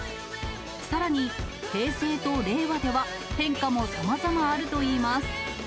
さらに、平成と令和では、変化もさまざまあるといいます。